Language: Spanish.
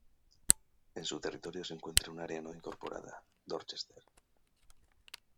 En su territorio se encuentra un área no incorporada, Dorchester.